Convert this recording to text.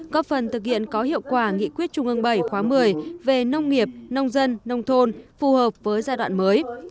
có phần thực hiện có hiệu quả nghị quyết trung ương bảy khóa một mươi về nông nghiệp nông dân nông thôn phù hợp với giai đoạn mới